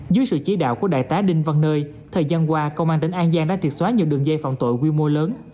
dưới sự chỉ đạo của đại tá đinh văn nơi thời gian qua công an tỉnh an giang đã triệt xóa nhiều đường dây phạm tội quy mô lớn